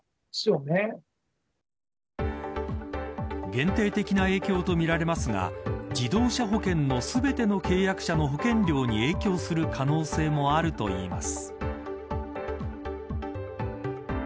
限定的な影響とみられますが自動車保険の全ての契約者の保険料に影響する可能性もあるといいます。